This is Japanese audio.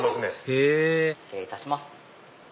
へぇ失礼いたします。